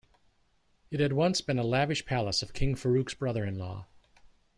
It had once been a lavish palace of King Farouk's brother-in-law.